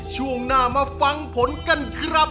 ช่วงหน้ามาฟังผลกันครับ